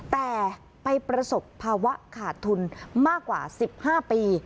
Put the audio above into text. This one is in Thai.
แต่ไปประสบภาวะขาดทุนมากกว่า๑๕ปี